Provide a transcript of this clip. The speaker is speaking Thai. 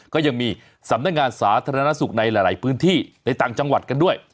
ก็ยังมีสำนักงานสาธารณสุขในหลายพื้นที่ในต่างจังหวัดกันด้วย